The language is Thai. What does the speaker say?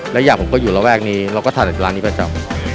และอยากผมก็อยู่ระแวกนี้เราก็ถ่ายร้านนี้ไปเจาะ